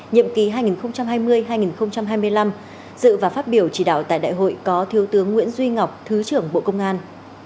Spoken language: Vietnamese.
nhiệm ký hai nghìn hai mươi hai nghìn hai mươi năm dự và phát biểu chỉ đạo tại đại hội có thiếu tướng nguyễn duy ngọc thứ trưởng bộ công an